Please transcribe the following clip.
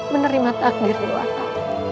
menerima takdir luat aku